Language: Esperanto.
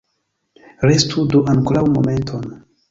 Restu do ankoraŭ momenton!